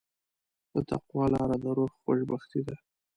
د تقوی لاره د روح خوشبختي ده.